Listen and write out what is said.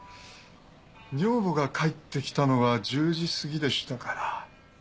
女房が帰ってきたのは１０時過ぎでしたから。